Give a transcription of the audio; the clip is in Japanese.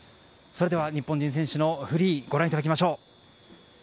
それでは日本人選手のフリーご覧いただきましょう。